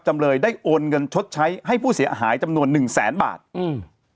จำเลยได้โอนเงินชดใช้ให้ผู้เสียหายจำนวนหนึ่งแสนบาทอืม